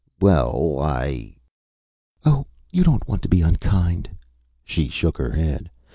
"Well, I " "Oh, you don't want to be unkind!" She shook her head.